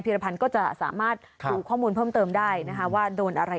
รพันธ์ก็จะสามารถดูข้อมูลเพิ่มเติมได้นะคะว่าโดนอะไร